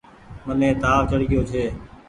مني تآو چڙگيو ڇي۔